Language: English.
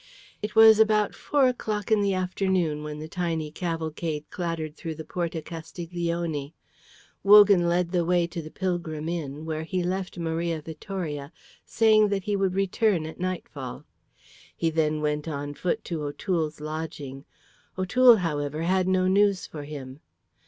It was about four o'clock in the afternoon when the tiny cavalcade clattered through the Porta Castiglione. Wogan led the way to the Pilgrim Inn, where he left Maria Vittoria, saying that he would return at nightfall. He then went on foot to O'Toole's lodging. O'Toole, however, had no news for him.